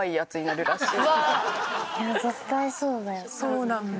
そうなんだ。